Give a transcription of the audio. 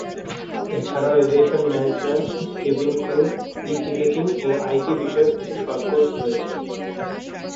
এছাড়াও aviation management, cabin crew, e ticketing ও IT বিষয়ক কিছু শর্ট কোর্স রয়েছে।